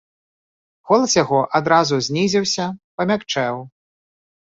Голас яго адразу знізіўся, памякчэў.